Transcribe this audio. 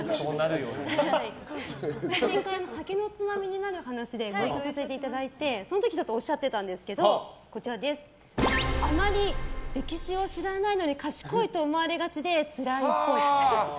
「酒のツマミになる話」でご一緒させていただいてその時ちょっとおっしゃってたんですけどあまり歴史を知らないのに賢いと思われがちで辛いっぽい。